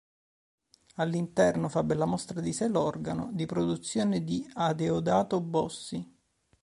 All'interno fa bella mostra di sé l'organo, di produzione di Adeodato Bossi.